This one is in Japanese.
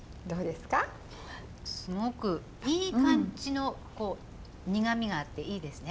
すごくいい感じの苦みがあっていいですね。